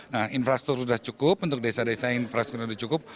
nah infrastruktur sudah cukup untuk desa desa yang infrastrukturnya sudah cukup